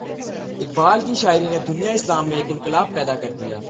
اقبال کی شاعری نے دنیائے اسلام میں ایک انقلاب پیدا کر دیا۔